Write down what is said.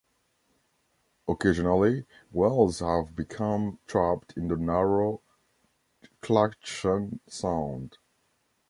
Occasionally whales have become trapped in the narrow Clachan Sound.